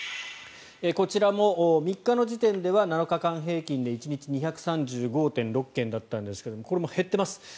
こちらも３日の時点では７日間平均で１日２３５．６件だったんですがこれも減っています。